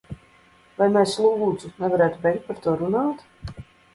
Vai mēs, lūdzu, nevarētu beigt par to runāt?